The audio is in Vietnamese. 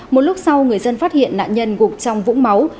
một lúc sau người dân phát hiện nạn nhân gục trong vũng máu